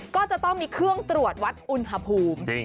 ก็จะต้องมีเครื่องตรวจวัดอุณหภูมิ